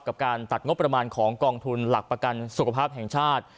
กับการตัดงบประมาณของกองทุนหลักประกันสุขภาพแห่งชาติ